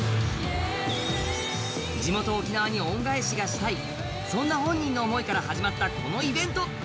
地元・沖縄に恩返しがしたい、そんな本人の思いから始まったこのイベント。